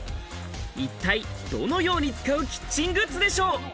一体どのように使うキッチングッズでしょう。